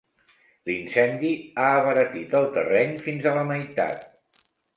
L'incendi ha abaratit el terreny fins a la meitat.